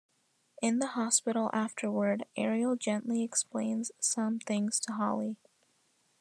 In the hospital afterward, Ariel gently explains some things to Holly.